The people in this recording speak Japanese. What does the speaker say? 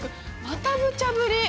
またむちゃぶり！